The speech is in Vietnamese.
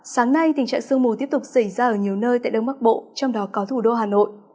sáng nay tình trạng sương mù tiếp tục xảy ra ở nhiều nơi tại đông bắc bộ trong đó có thủ đô hà nội